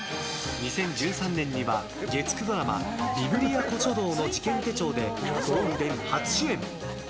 ２０１３年には月９ドラマ「ビブリア古書堂の事件手帖」でゴールデン初主演！